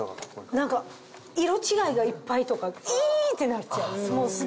何か色違いがいっぱいとかイィーってなっちゃう。